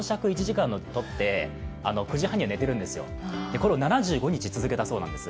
これを７５日続けたそうなんです。